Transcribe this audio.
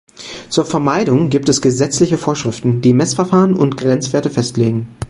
Zur Vermeidung gibt es gesetzliche Vorschriften, die Messverfahren und Grenzwerte festlegen.